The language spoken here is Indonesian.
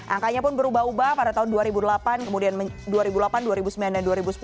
angkanya pun berubah ubah pada tahun dua ribu delapan kemudian dua ribu delapan dua ribu sembilan dan dua ribu sepuluh